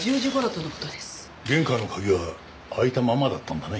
玄関の鍵は開いたままだったんだね。